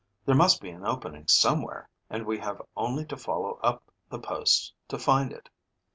"There must be an opening somewhere, and we have only to follow up the posts to find it."